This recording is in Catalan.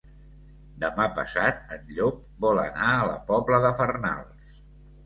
Demà passat en Llop vol anar a la Pobla de Farnals.